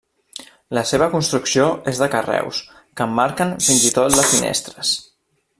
La seva construcció és de carreus, que emmarquen fins i tot les finestres.